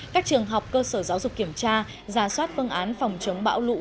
các trường học cơ sở giáo dục kiểm tra giả soát phương án phòng chống bão lũ